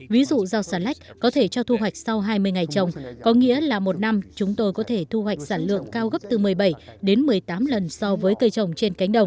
ví dụ rau xà lách có thể cho thu hoạch sau hai mươi ngày trồng có nghĩa là một năm chúng tôi có thể thu hoạch sản lượng cao gấp từ một mươi bảy đến một mươi tám lần so với cây trồng trên cánh đồng